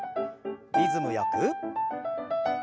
リズムよく。